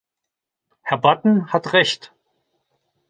Herr Batten hat Recht.